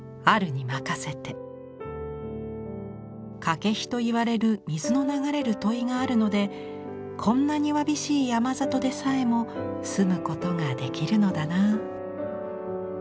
「かけひと言われる水の流れる樋があるのでこんなにわびしい山里でさえも住むことができるのだなあ」。